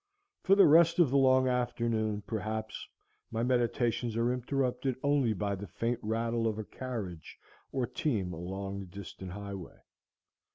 For the rest of the long afternoon, perhaps, my meditations are interrupted only by the faint rattle of a carriage or team along the distant highway.